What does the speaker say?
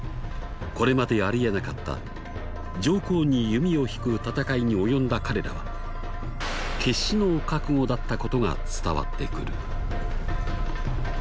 これまでありえなかった上皇に弓を引く戦いに及んだ彼らは決死の覚悟だったことが伝わってくる。